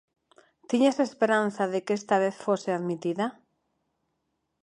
Tiñas esperanza de que esta vez fose admitida?